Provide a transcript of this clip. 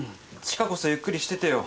知花こそゆっくりしててよ。